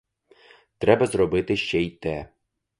Треба зробити ще те й те.